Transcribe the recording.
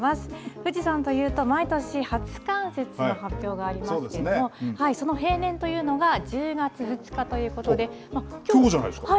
富士山というと、毎年、初冠雪の発表がありますけども、その平年というのが、１０月２日というこきょうじゃないですか。